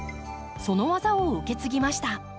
その技を受け継ぎました。